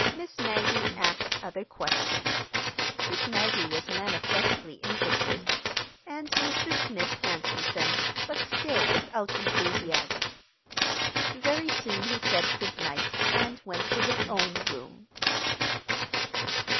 Miss Maggie asked other questions—Miss Maggie was manifestly interested—and Mr. Smith answered them, but still without enthusiasm. Very soon he said good night and went to his own room.